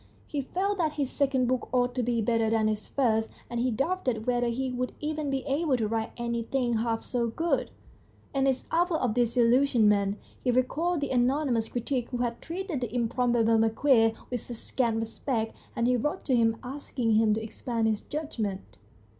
He felt that his second book ought to be better than his first, and he doubted whether he would even be able to write anything half so good. In his hour of disillusionment he recalled the anonymous critic who had treated 144 THE STORY OF A BOOK "The Improbable Marquis" with such scant respect, and he wrote to him asking him to expand his judgment.